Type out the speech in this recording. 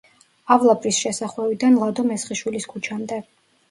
ავლაბრის შესახვევიდან ლადო მესხიშვილის ქუჩამდე.